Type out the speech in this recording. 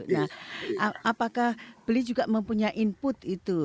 nah apakah beli juga mempunyai input itu